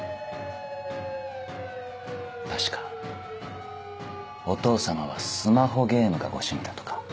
確かお父様はスマホゲームがご趣味だとか。